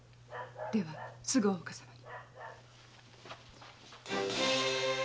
ではすぐ大岡様に。